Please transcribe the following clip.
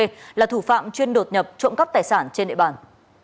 nguyễn văn sĩ là thủ phạm chuyên đột nhập trộm cắp tài sản trên địa bàn